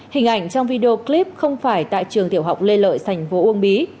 hình ảnh trong video clip không phải tại trường tiểu học lê lợi tp uông bí